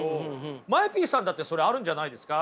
ＭＡＥＰさんだってそれあるんじゃないですか？